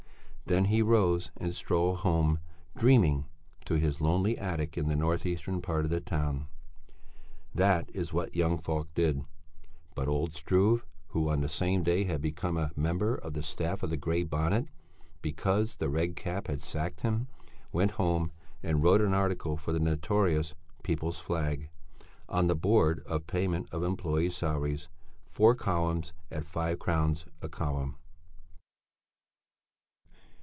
Then he rose and strolled home, dreaming, to his lonely attic in the north eastern part of the town. That is what young Falk did; but old Struve, who on the same day had become a member of the staff of the Grey Bonnet, because the Red Cap had sacked him, went home and wrote an article for the notorious People's Flag, on the Board of Payment of Employés' Salaries, four columns at five crowns a column.